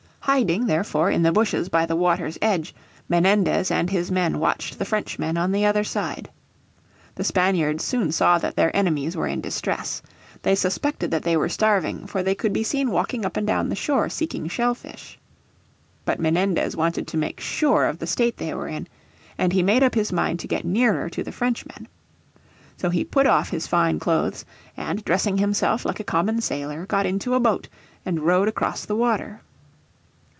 Hiding, therefore, in the bushes by the water's edge Menendez and his men watched the Frenchmen on the other side. The Spaniards soon saw that their enemies were in distress. They suspected that they were starving, for they could be seen walking up and down the shore seeking shellfish. But Menendez wanted to make sure of the state they were in, and he made up his mind to get nearer to the Frenchmen. So he put off his fine clothes, and dressing himself like a common sailor, got into a boat and rowed across the water.